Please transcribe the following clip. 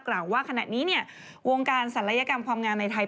กล่าวว่าขณะนี้วงการศัลยกรรมความงามในไทย